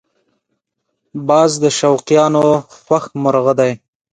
باز د شوقیانو خوښ مرغه دی